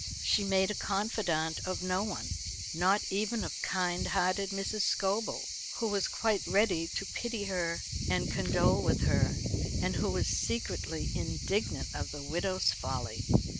She made a confidante of no one, not even of kind hearted Mrs. Scobel, who was quite ready to pity her and condole with her, and who was secretly indignant at the widow's folly.